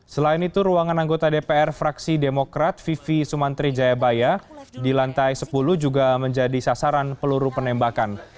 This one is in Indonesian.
selain itu ruangan anggota dpr fraksi demokrat vivi sumantri jayabaya di lantai sepuluh juga menjadi sasaran peluru penembakan